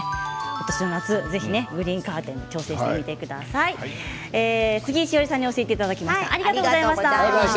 グリーンカーテン挑戦してみてください杉井志織さんに教えていただきました。